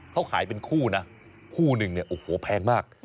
เขาขายเป็นคู่นะคู่หนึ่งเนี่ยโอ้โหแพงมาก